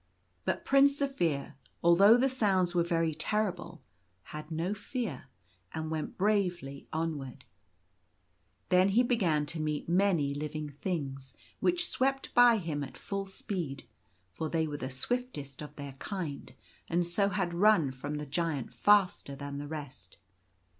But Prince Zaphir, although the sounds were very terrible, had no fear, and went bravely onward. Then he began to meet many living things, which swept by him at full speed — for they were the swiftest of their kind, and so had run from the Giant faster than the rest.